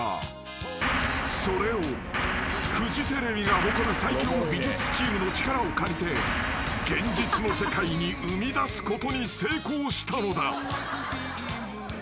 ［それをフジテレビが誇る最強美術チームの力を借りて現実の世界に生みだすことに成功したのだ］